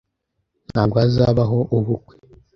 Ntabwo hazabaho ubukwe.